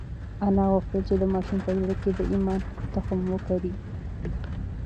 انا غوښتل چې د ماشوم په زړه کې د ایمان تخم وکري.